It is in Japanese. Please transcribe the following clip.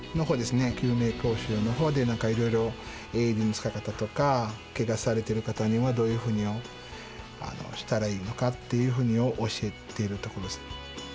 救命講習の方で何かいろいろＡＥＤの使い方とかけがされている方にはどういうふうにしたらいいのかっていうふうに教えてるところです。